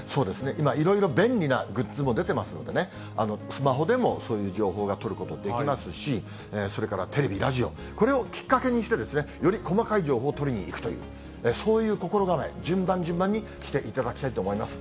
今、いろいろ便利なグッズも出てますのでね、スマホでもそういう情報が取ることできますし、それからテレビ、ラジオ、これをきっかけにして、より細かい情報を取りにいくという、そういう心構え、順番順番にしていただきたいと思います。